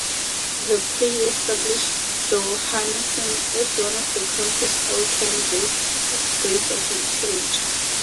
The play established Johannesen as one of the country's all-time greats of literature.